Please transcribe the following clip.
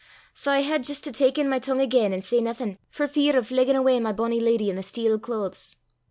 Sae I had jist to tak in my tongue again, an' say naething, for fear o' fleggin' awa my bonnie leddy i' the steel claes.